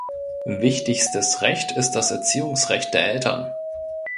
Wichtigstes Recht ist das Erziehungsrecht der Eltern.